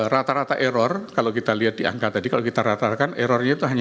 rata rata error kalau kita lihat di angka tadi kalau kita rata ratakan errornya itu hanya